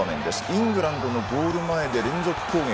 イングランドのゴール前で連続攻撃。